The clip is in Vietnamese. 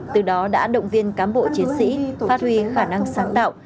từ đó đã động viên cán bộ chiến sĩ phát huy khả năng sáng tạo